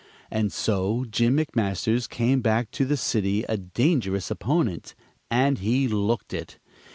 And so Jim McMasters came back to the city a dangerous opponent, and he looked it.